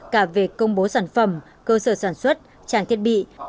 cả về công bố sản phẩm cơ sở sản xuất trang thiết bị